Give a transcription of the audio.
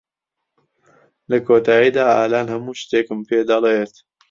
لە کۆتاییدا، ئالان هەموو شتێکم پێدەڵێت.